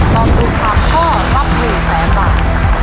ตอบถูก๓ข้อรับ๑แสนบาท